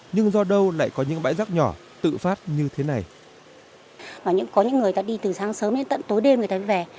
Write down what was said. nhưng do đâu lại có những bãi rác nhỏ tự phát như thế này